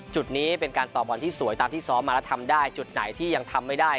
จุดนี้เป็นการต่อบอลที่สวยตามที่ซ้อมมาแล้วทำได้จุดไหนที่ยังทำไม่ได้